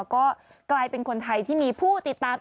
ก็กลายเป็นคนไทยที่มีผู้ติดตาม